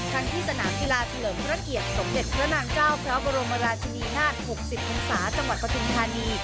ทั้งที่สนามกีฬาเฉลิมพระเกียรติสมเด็จพระนางเจ้าพระบรมราชินีนาฏ๖๐พันศาจังหวัดปฐุมธานี